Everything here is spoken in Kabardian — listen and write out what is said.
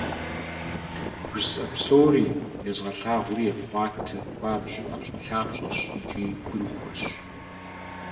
ЖысӀэ псори, езгъэлъагъури епхъуатэ, хуабжьу ӏэпщӏэлъапщӏэщ икӏи гурыхуэщ.